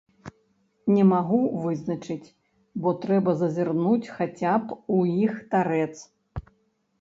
Не магу вызначыць, бо трэба зазірнуць хаця б у іх тарэц.